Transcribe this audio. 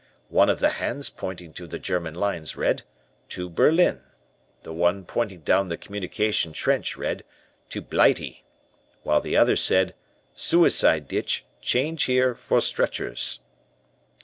One of the hands pointing to the German lines read, 'To Berlin,' the one pointing down the communication trench read, 'To Blighty,' while the other said, 'Suicide Ditch, Change Here for Stretchers.'